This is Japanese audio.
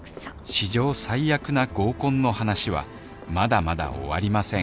史上最悪な合コンの話はまだまだ終わりません